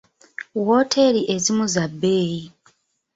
Wooteeri ezimu za bbeeyi.